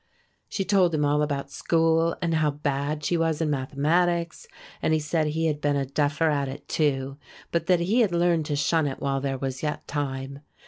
She told him all about school and how bad she was in mathematics; and he said he had been a duffer at it too, but that he had learned to shun it while there was yet time.